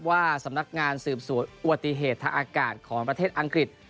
ว่าสำนักงานสืบสวนอุบัติเหตุทางอากาศของประเทศอังกฤษ